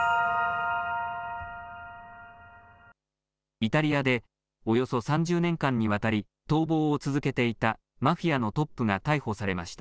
イタリアでおよそ３０年間にわたり逃亡を続けていたマフィアのトップが逮捕されました。